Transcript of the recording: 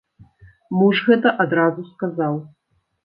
Муж гэта адразу сказаў.